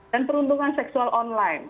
dan perundungan seksual online